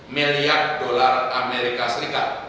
lima miliar dolar amerika serikat